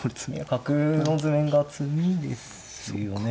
角の図面が詰みですよね。